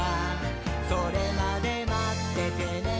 「それまでまっててねー！」